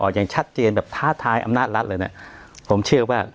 อย่างชัดเจนแบบท้าทายอำนาจรัฐเลยนะผมเชื่อว่า